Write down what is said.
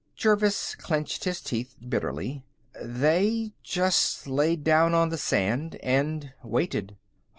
Jervis clenched his teeth bitterly. "They just laid down on the sand and waited."